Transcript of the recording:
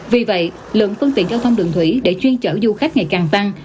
vì vậy lượng phương tiện giao thông đường thủy để chuyên chở du khách ngày càng tăng